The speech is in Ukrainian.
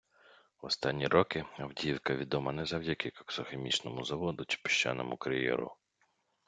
В останні роки Авдіївка відома не завдяки коксохімічному заводу чи піщаному кар’єру.